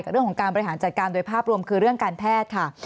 เรื่องของการบริหารจัดการโดยภาพรวมคือเรื่องการแพทย์ค่ะ